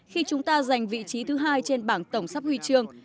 khi chúng ta giành vị trí thứ hai trên bảng tổng sắp huy chương